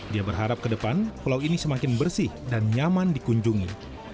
dia berharap ke depan pulau ini semakin bersih dan nyaman dikunjungi